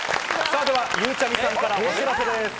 それでは、ゆうちゃみさんからお知らせです。